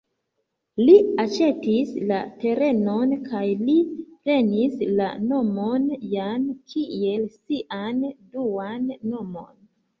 Li aĉetis la terenon, kaj li prenis la nomon "Jan" kiel sian duan nomon.